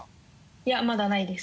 いやまだないです。